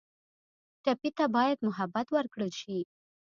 ټپي ته باید محبت ورکړل شي.